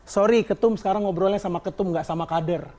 sorry ketum sekarang ngobrolnya sama ketum gak sama kader